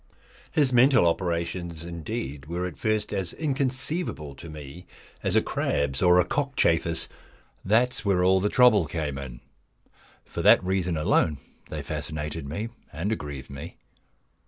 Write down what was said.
His mental operations, indeed, were at first as inconceivable to me as a crab's or a cockchafer's. That is where all the trouble came in. For that reason alone they fascinated me and aggrieved me.